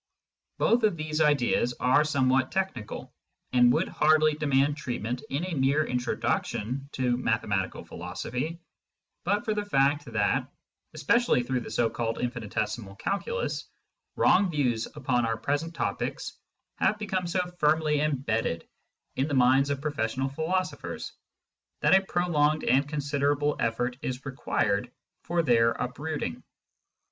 Both of these ideas are somewhat technical, and would hardly demand treatment in a mere introduction to mathematical philosophy but for the fact that, especially through the so called infinitesimal calculus, wrong views upon our present topics have become so firmly embedded in the minds of professional philosophers that a prolonged and considerable effort is required for their uprooting.